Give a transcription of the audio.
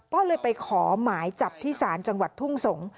ก็เลยไปขอหมายจับที่ศาลจังหวัดทุ่งสงศ์